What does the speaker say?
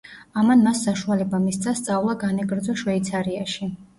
ამან მას საშუალება მისცა სწავლა განეგრძო შვეიცარიაში.